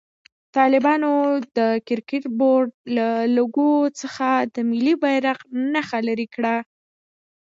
طالبانو د کرکټ بورډ له لوګو څخه د ملي بيرغ نښه لېري کړه.